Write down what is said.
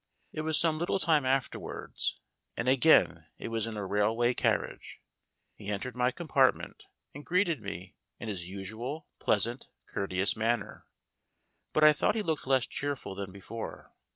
It was some little time afterwards, and again it was in a railway car riage. He entered my compartment and greeted me in his usual pleasant, courteous manner. But I thought he looked less cheerful than before.